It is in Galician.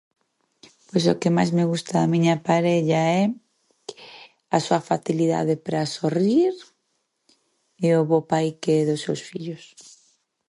Pois o que máis me gusta da miña parella é a súa facilidade pra sorrir e o bo pai que é dos seus fillos.